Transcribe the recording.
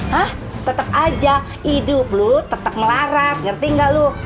hah tetep aja hidup lu tetep melarat ngerti gak lu